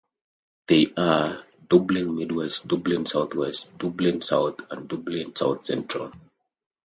They are: Dublin Mid-West, Dublin South-West, Dublin South and Dublin South-Central.